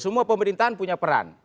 semua pemerintahan punya peran